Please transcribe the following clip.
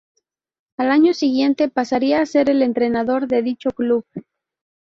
Al año siguiente pasaría a ser el entrenador de dicho club.